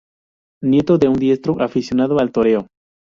Nieto de un diestro aficionado al toreo.